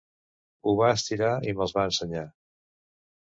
Ho va estirar i me'ls va ensenyar.